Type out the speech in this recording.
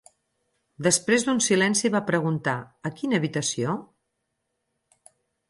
Després d'un silenci va preguntar "A quina habitació?"